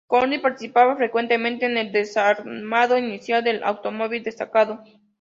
Courtney participaba frecuentemente en el desarmado inicial del automóvil destacado.